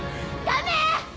ダメ！